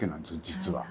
実は。